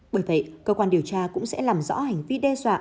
bởi vậy cơ quan điều tra cũng sẽ làm rõ hành vi đe dọa